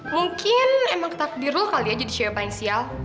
mungkin emang ketakdir lu kali ya jadi cewek paling sial